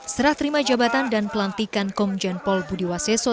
serah terima jabatan dan pelantikan komjen paul budi waseso